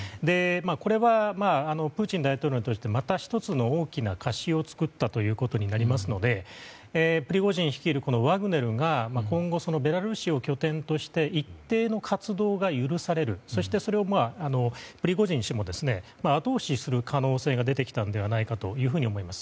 これは、プーチン大統領に対してまた１つの大きな貸しを作ったことになりますのでプリゴジン率いるワグネルが今後、ベラルーシを拠点として一定の活動が許されるそしてそれをプリゴジン氏も後押しする可能性が出てきたのではと思います。